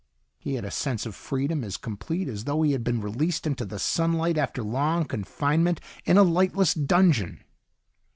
He had a sense of freedom as complete as though he had been released into the sunlight after long confinement in a lightless dungeon.